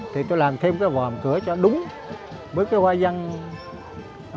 thì tôi làm thêm cái vòm cửa cho đúng với cái hoa văn